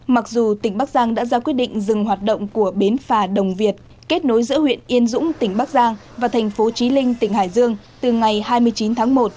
mặc dù tỉnh bắc giang đã ra quyết định dừng hoạt động của bến phà đồng việt kết nối giữa huyện yên dũng tỉnh bắc giang và thành phố trí linh tỉnh hải dương từ ngày hai mươi chín tháng một